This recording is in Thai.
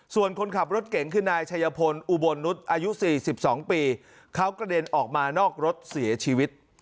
ส่วนคนขับรถเก่งคือนายชัยพลอุบลนุษย์อายุ๔๒ปีเขากระเด็นออกมานอกรถเสียชีวิต